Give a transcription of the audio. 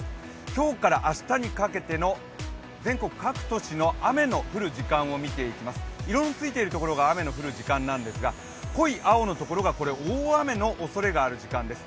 今日から明日にかけての全国各都市の雨の降る時間です色のついているところが雨の降る時間なんですが、濃い青のところが大雨のおそれがある時間です。